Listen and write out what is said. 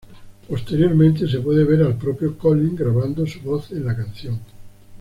Posteriormente, se puede ver al propio Collins grabando su voz en la canción.